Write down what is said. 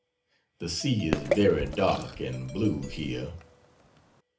The sea is very dark and blue here.